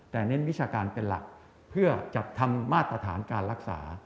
แต่เน้นวิชาการเป็นหลักเพื่อจัดทำมาตรฐานการรักษา